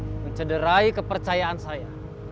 mencederai kepercayaan saya